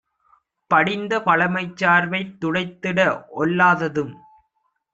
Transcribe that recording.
படிந்தபழமைச் சார்பைத் துடைத்திட ஒல்லாததும்